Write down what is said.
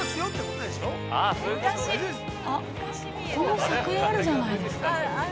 ◆あっ、ここも桜あるじゃないですか。